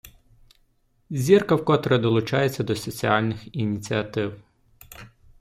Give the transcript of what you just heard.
Зірка вкотре долучається до соціальних ініціатив.